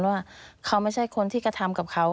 ว่าเขาไม่ใช่คนที่กระทำกับเขา